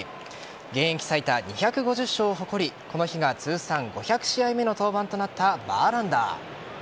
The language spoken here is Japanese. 現役最多２５０勝を誇りこの日が通算５００試合目の登板となったバーランダー。